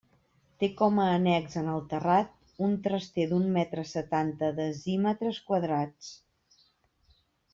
Té com a annex en el terrat un traster d'un metre setanta decímetres quadrats.